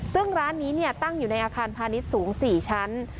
ซึ่งร้านนี้ตั้งอยู่ในอาคารพาณิชย์สูง๔ชั้น